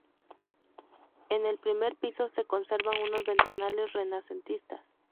En el primer piso se conservan unos ventanales renacentistas.